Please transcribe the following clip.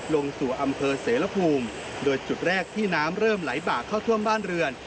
ลงสู่อำเภอเสรภูมิโดยจุดแรกที่น้ำเริ่มไหลบากเข้าท่วมบ้านเรือน